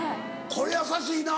これ優しいな。